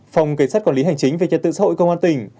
phòng cảnh sát quản lý hành chính về trật tự xã hội công an tỉnh